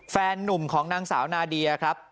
แฟนนุ่มของนางสาวนาเดียครับ